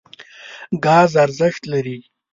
ګاز ارزښت لري.